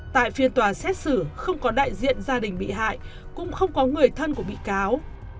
tại phiên tòa xét xử không có đại diện gia đình bị hại cũng không có người thân của bị cáo